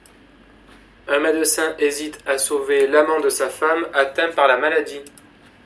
Un médecin hésite à sauver l'amant de sa femme, atteint par la maladie.